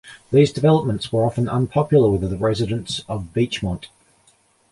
These developments were often unpopular with the residents of Beechmont.